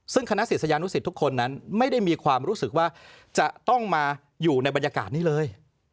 ซึ่งคณะศิษยานุสิตทุกคนนั้นไม่ได้มีความรู้สึกว่าจะต้องมาอยู่ในบรรยากาศนี้เลย